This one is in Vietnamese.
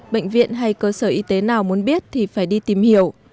bệnh viện hay cơ sở y tế nào muốn biết thì phải đi tìm hiểu